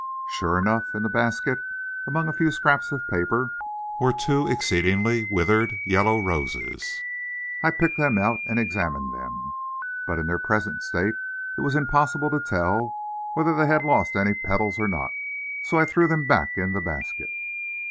Sure enough, in the basket, among a few scraps of paper, were two exceedingly withered yellow roses. I picked them out and examined them, but in their present state it was impossible to tell whether they had lost any petals or not, so I threw them back in the basket.